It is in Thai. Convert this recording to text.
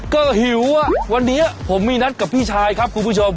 ก็หิวอ่ะวันนี้ผมมีนัดกับพี่ชายครับคุณผู้ชม